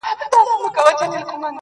له دردونو کړيږي ديد يي ترمخکې لا لږ سو